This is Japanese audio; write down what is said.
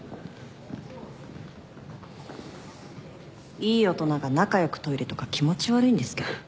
いい大人が仲良くトイレとか気持ち悪いんですけど。